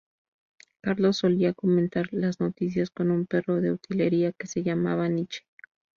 Carlos solía comentar las noticias con un perro de utilería que se llamaba "Niche".